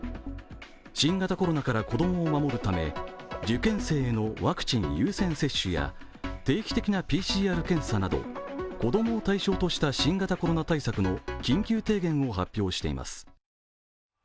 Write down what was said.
新型コロナから子供を守るため受験生へのワクチン優先接種や定期的なＰＣＲ検査など、子供を対象とした新型コロナ対策の緊急提言を発表しています。